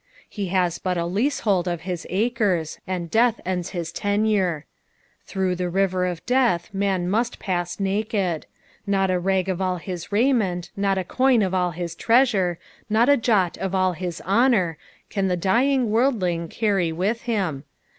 He has but a leasehold of his acres, and death ends his tenure. Through the river of death man muat pass naked. Not a rag oT all his raiment, not a coin of all his treasure, not a jot of all his honour, caa the dying worldling carry with him.